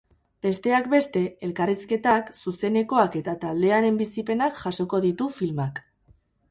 Besteak beste, elkarrizketak, zuzenekoak eta taldearen bizipenak jasoko ditu filmak.